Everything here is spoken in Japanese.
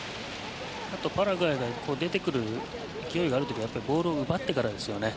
パラグアイが出てくる勢いがある時はボールを奪ってからですよね。